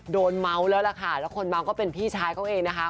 เมาแล้วล่ะค่ะแล้วคนเมาก็เป็นพี่ชายเขาเองนะคะ